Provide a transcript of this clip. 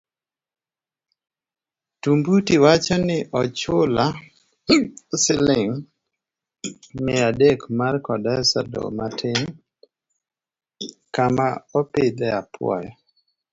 Tumbuti wacho ni ochula siling mia adek mar kodesa loo matin kama opidhe apuoyo